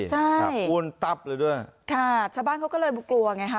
ใช่ค่ะชาบ้านเขาก็เลยกลัวไง